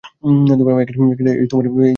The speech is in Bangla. এই তুফান কখন থামবে?